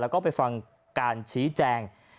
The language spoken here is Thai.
แล้วก็ไปฟังการชี้แจง